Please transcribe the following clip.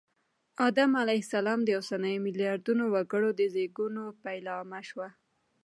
آدم علیه السلام د اوسنیو ملیاردونو وګړو د زېږون پیلامه شوه